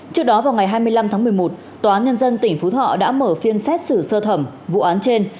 trước đó vào ngày hai mươi năm tháng một mươi một tòa án nhân dân tỉnh phú thọ đã mở phiên xét xử sơ thẩm vụ án trên